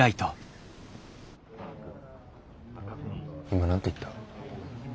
今何て言った？